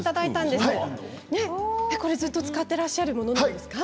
ずっと使っていらっしゃるものですか。